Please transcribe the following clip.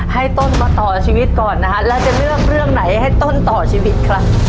ให้ต้นมาต่อชีวิตก่อนนะฮะแล้วจะเลือกเรื่องไหนให้ต้นต่อชีวิตครับ